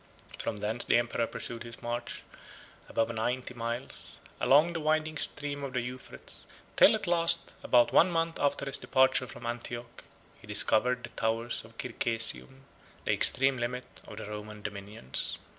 From thence the emperor pursued his march, above ninety miles, along the winding stream of the Euphrates, till, at length, about one month after his departure from Antioch, he discovered the towers of Circesium, 4012 the extreme limit of the Roman dominions.